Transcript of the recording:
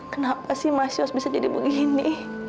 kenapa sih masih bisa jadi begini